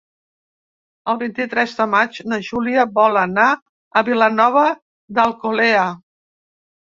El vint-i-tres de maig na Júlia vol anar a Vilanova d'Alcolea.